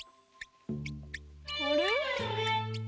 あれ？